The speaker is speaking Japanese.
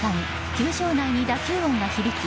球場内に打球音が響き